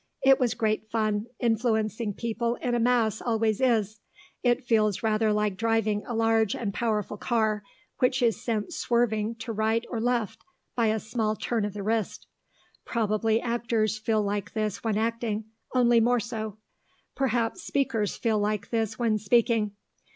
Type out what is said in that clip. It was great fun. Influencing people in a mass always is; it feels rather like driving a large and powerful car, which is sent swerving to right or left by a small turn of the wrist. Probably actors feel like this when acting, only more so; perhaps speakers feel like this when speaking.